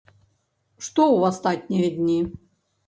Што ў астатнія дні?